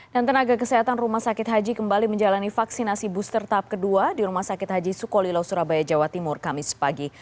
dan tenaga kesehatan rumah sakit haji kembali menjalani vaksinasi booster tahap kedua di rumah sakit haji sukolilo surabaya jawa timur kamis pagi